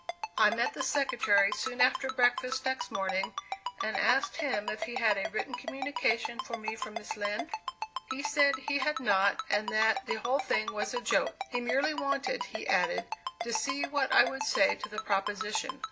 I met the secretary soon after breakfast next morning and asked him if he had a written communication for me from Miss Lind? He said he had not and that the whole thing was a "joke." He merely wanted, he added, to see what I would say to the proposition.